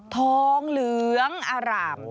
ทองเหลืองอร่าม